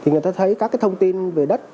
người ta thấy các thông tin về đất